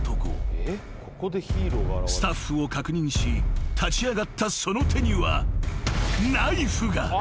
［スタッフを確認し立ち上がったその手には］